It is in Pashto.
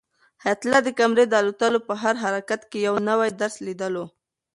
حیات الله د قمرۍ د الوتلو په هر حرکت کې یو نوی درس لیدلو.